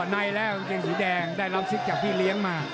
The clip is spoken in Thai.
ได้แล้วเกรงสีแดงได้รับสิทธิ์จากพี่เลี้ยงมา